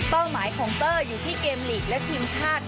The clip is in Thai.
หมายของเตอร์อยู่ที่เกมลีกและทีมชาติ